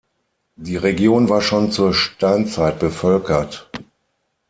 Die Region war schon zur Steinzeit bevölkert.